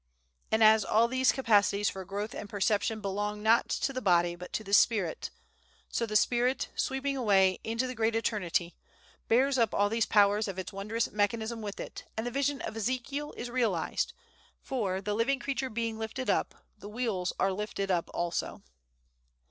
And as all these capacities for growth and perception belong not to the body but to the spirit, so the spirit, sweeping away into the great Eternity, bears up all these powers of its wondrous mechanism with it, and the vision of Ezekiel is realized; for "the living creature being lifted up, the wheels are lifted up also."